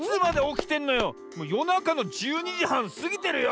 もうよなかの１２じはんすぎてるよ！